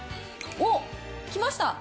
おっ、来ました。